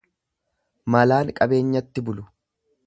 Malaan qabeenyatti bulu.